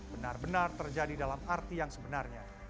benar benar terjadi dalam arti yang sebenarnya